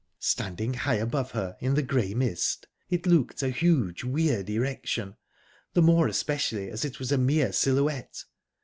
Standing high above her, in the grey mist, it looked a huge, weird erection, the more especially as it was a mere silhouette.